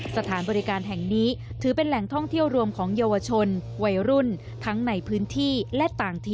สถานบริการแห่งนี้ถือเป็นแหล่งท่องเที่ยวรวมของเยาวชนวัยรุ่นทั้งในพื้นที่และต่างถิ่น